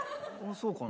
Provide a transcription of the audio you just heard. そうかな？